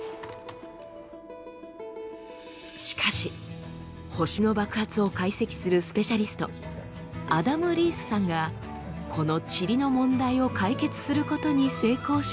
しかし星の爆発を解析するスペシャリストアダム・リースさんがこのチリの問題を解決することに成功しました。